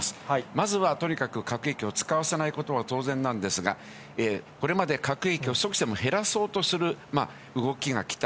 まずはとにかく核兵器を使わせないことは当然なんですが、これまで核兵器を少しでも減らそうとする動きが来た。